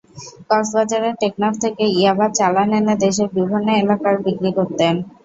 কক্সবাজারের টেকনাফ থেকে ইয়াবার চালান এনে দেশের বিভিন্ন এলাকার বিক্রি করতেন।